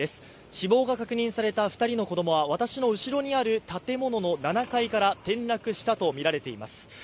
死亡が確認された２人の子供は私の後ろにある建物の７階から転落したとみられています。